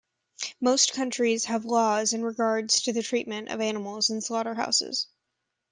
Most countries have laws in regard to the treatment of animals in slaughterhouses.